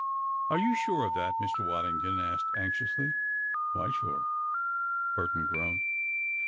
"Are you sure of that?" Mr. Waddington asked anxiously. "Quite sure!" Burton groaned.